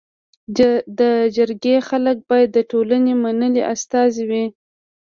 د جرګي خلک باید د ټولني منلي استازي وي.